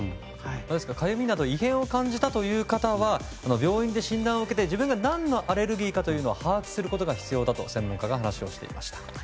かゆみなど異変を感じたという方は病院で診断を受けて自分が何のアレルギーかを把握することが必要だと専門家は話をしていました。